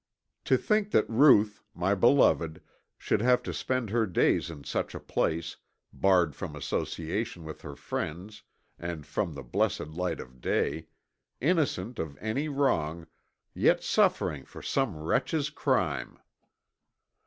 To think that Ruth, my beloved, should have to spend her days in such a place, barred from association with her friends, and from the blessed light of day, innocent of any wrong, yet suffering for some wretch's crime!